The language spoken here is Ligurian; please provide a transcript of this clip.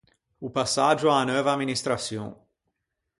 O passaggio a-a neuva amministraçion.